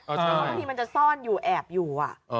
เพราะบางทีมันจะซ่อนอยู่แอบอยู่